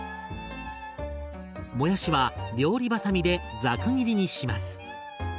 もやしは料理ばさみでザク切りにします。